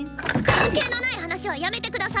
関係のない話はやめて下さい！